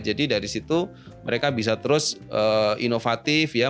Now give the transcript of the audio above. jadi dari situ mereka bisa terus inovatif ya